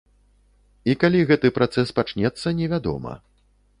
І калі гэты працэс пачнецца, невядома.